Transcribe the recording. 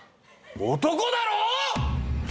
男だろ！